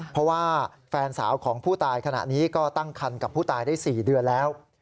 เพราะว่าแฟนสาวของผู้ตายขณะนี้ก็ตั้งคันกับผู้ตายได้๔เดือนแล้ว